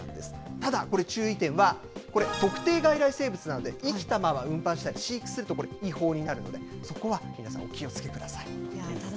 ただ、これ、注意点はこれ、特定外来生物なので、生きたまま運搬したり飼育すると、これ、違法になるので、そこは皆さん、お気をつけください。